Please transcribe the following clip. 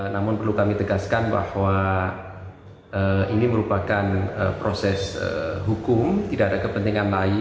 namun perlu kami tegaskan bahwa ini merupakan proses hukum tidak ada kepentingan lain